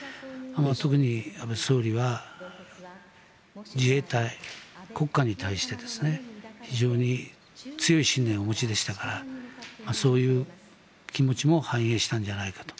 特に安倍総理は自衛隊国家に対して非常に強い信念をお持ちでしたからそういう気持ちも反映したんじゃないかと。